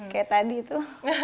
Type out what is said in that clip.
kayak tadi itu